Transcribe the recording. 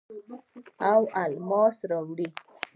او الماس راوړي